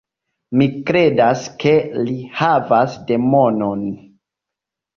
Mi kredas ke li havas demonon.